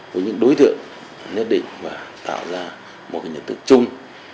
với những đối tượng nhất định và tạo ra một nhận thức chung